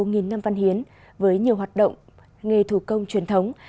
nghìn năm văn hiến với nhiều hoạt động nghề thủ công truyền thống